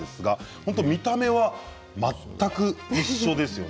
本当に見た目は全く一緒ですよね。